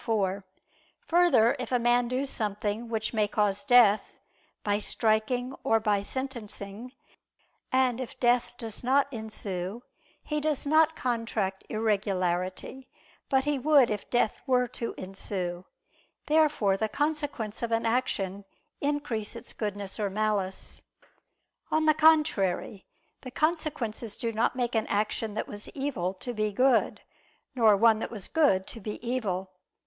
4: Further, if a man do something which may cause death, by striking, or by sentencing, and if death does not ensue, he does not contract irregularity: but he would if death were to ensue. Therefore the consequence of an action increase its goodness or malice. On the contrary, The consequences do not make an action that was evil, to be good; nor one that was good, to be evil.